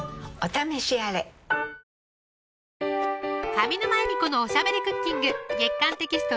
上沼恵美子のおしゃべりクッキング月刊テキスト